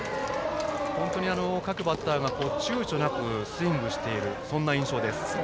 各バッターがちゅうちょなくスイングしている印象です。